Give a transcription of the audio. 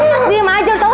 mas diam aja tau